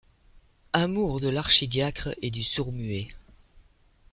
Amour de l’archidiacre et du sourd-muet.